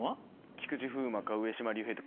菊池風磨か上島竜兵って。